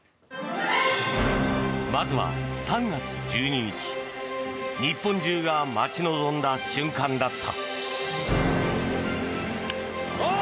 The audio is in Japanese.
まずは３月１２日日本中が待ち望んだ瞬間だった。